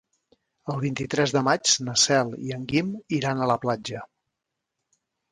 El vint-i-tres de maig na Cel i en Guim iran a la platja.